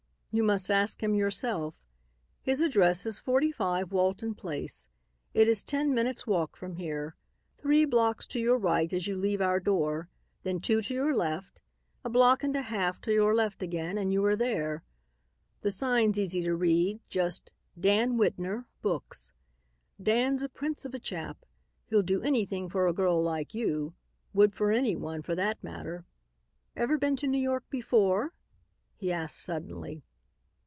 You must ask him yourself. His address is 45 Walton place. It is ten minutes' walk from here; three blocks to your right as you leave our door, then two to your left, a block and a half to your left again and you are there. The sign's easy to read just 'Dan Whitner, Books.' Dan's a prince of a chap. He'll do anything for a girl like you; would for anyone, for that matter. Ever been to New York before?" he asked suddenly.